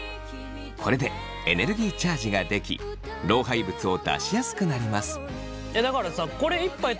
これでエネルギーチャージができ老廃物を出しやすくなります。